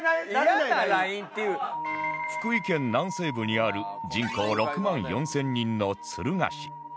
福井県南西部にある人口６万４０００人の敦賀市